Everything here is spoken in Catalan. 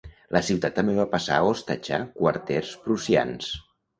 La ciutat també va passar a hostatjar quarters prussians.